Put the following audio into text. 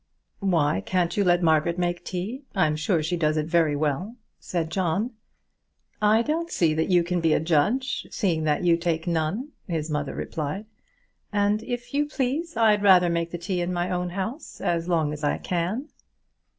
"Why can't you let Margaret make tea? I'm sure she does it very well," said John. "I don't see that you can be a judge, seeing that you take none," his mother replied; "and if you please, I'd rather make the tea in my own house as long as I can."